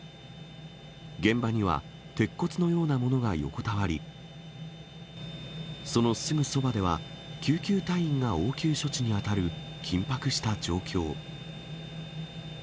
現場には、鉄骨のようなものが横たわり、そのすぐそばでは、救急隊員が応急処置に当たる緊迫した状況。